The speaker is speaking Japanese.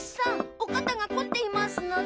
おかたがこっていますのだ。